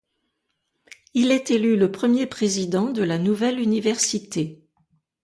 Il est élu le premier président de la nouvelle université.